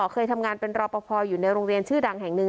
เคยทำงานเป็นรอปภอยู่ในโรงเรียนชื่อดังแห่งหนึ่ง